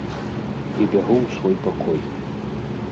І бягу ў свой пакой.